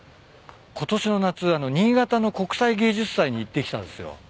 ことしの夏新潟の国際芸術祭に行ってきたんすよ。